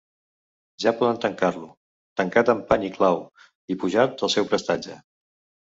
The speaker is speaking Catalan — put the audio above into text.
Ja poden tancar-lo, tancat amb pany i clau i pujat al seu prestatge